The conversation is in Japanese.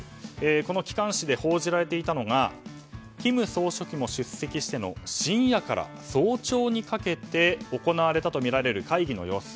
この機関紙で報じらていたのが金総書記も出席しての深夜から早朝にかけて行われたとみられる会議の様子。